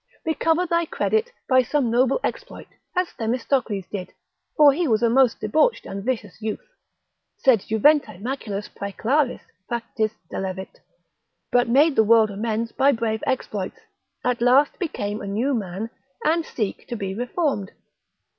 recover thy credit by some noble exploit, as Themistocles did, for he was a most debauched and vicious youth, sed juventae maculas praeclaris factis delevit, but made the world amends by brave exploits; at last become a new man, and seek to be reformed.